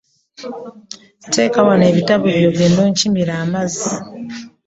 Teeka wano ebitabo byo ogende onkimire amazzi.